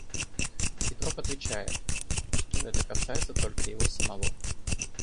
Петров отвечает, что это касается только его самого.